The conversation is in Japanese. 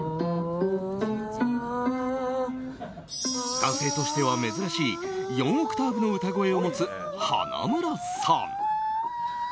男性としては珍しい４オクターブの歌声を持つ花村さん。